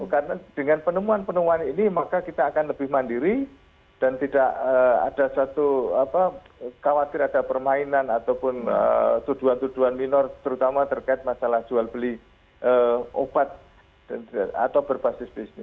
karena dengan penemuan penemuan ini maka kita akan lebih mandiri dan tidak ada satu apa khawatir ada permainan ataupun tuduhan tuduhan minor terutama terkait masalah jual beli obat atau berbasis bisnis